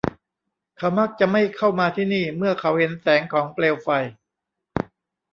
เขามักจะไม่เข้ามาที่นี่เมื่อเขาเห็นแสงของเปลวไฟ